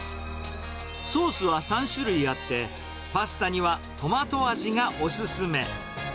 ソースは３種類あって、パスタにはトマト味がお勧め。